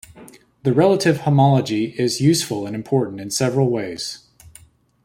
The relative homology is useful and important in several ways.